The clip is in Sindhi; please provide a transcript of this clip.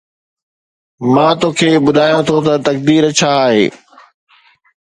مان توکي ٻڌايان ٿو ته تقدير ڇا آهي